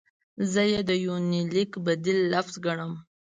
زه یې د یونلیک بدیل لفظ ګڼم.